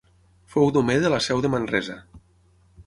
Fou domer de la seu de Manresa.